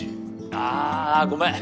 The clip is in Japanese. あぁごめん！